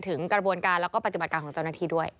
ถึงกระบวนการแล้วก็ปฏิบัติการของเจ้าหน้าที่ด้วย